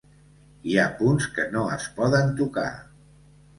Hi ha punts que no es poden tocar.